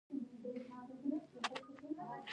ځینې وخت چې احمق تشویق شي نو نور حماقتونه هم کوي